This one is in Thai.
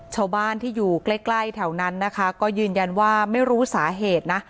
ชาวบ้านที่อยู่ใกล้ใกล้แถวนั้นนะคะก็ยืนยันว่าไม่รู้สาเหตุนะ